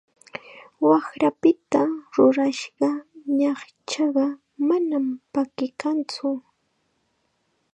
Waqrapita rurashqa ñaqchaqa manam pakikantsu.